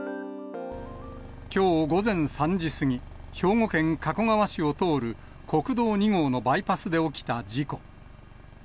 きょう午前３時過ぎ、兵庫県加古川市を通る、国道２号のバイパスで起きた事故。